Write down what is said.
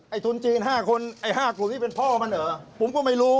ไอ้ทุนจีนห้าคนไอ้ห้าผู้นะเป็นพ่อมันเหอะผมก็ไม่รู้